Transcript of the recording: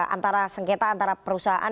antara sengketa antara perusahaan